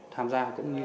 tham gia cũng như